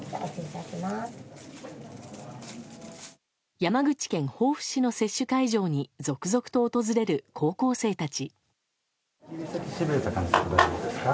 山口県防府市の接種会場に続々と訪れる高校生たち。